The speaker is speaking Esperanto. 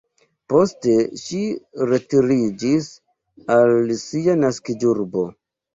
Poste ŝi retiriĝis al sia naskiĝurbo.